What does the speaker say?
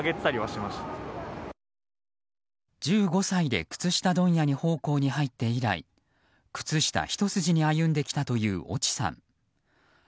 １５歳で靴下問屋に奉公に入って以来靴下ひと筋に歩んできたという越智さん。